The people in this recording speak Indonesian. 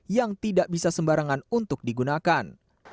yang tidak bisa sembarangan untuk digunakan